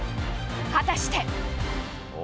果たして。